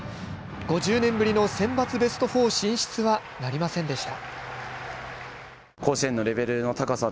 ５０年ぶりのセンバツベスト４進出はなりませんでした。